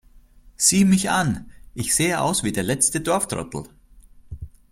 Sieh mich an, ich sehe aus wie der letzte Dorftrottel